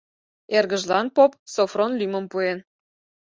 Эргыжлан поп Софрон лӱмым пуэн.